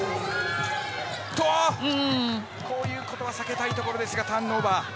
こういうことは避けたいところですがターンオーバー。